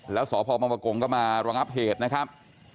แล้วสพมกงก็มารองับเหตุนะครับ